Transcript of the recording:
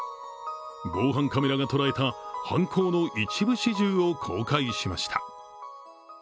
防犯カメラが捉えた犯行の一部始終を公開しました。